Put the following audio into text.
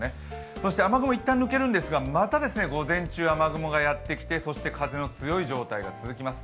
そして雨雲一旦抜けるんですが、また午前中雨雲がやってきてそして風の強い状態が続きます。